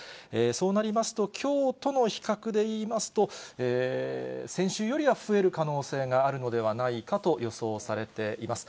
そうなりますと、きょうとの比較で言いますと、先週よりは増える可能性があるのではないかと予想されています。